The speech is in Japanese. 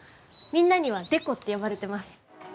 みんなにはデコって呼ばれてます。